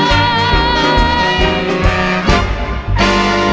โอ้โอ้โอ้โอ้